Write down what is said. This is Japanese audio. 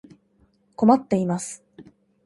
困っています。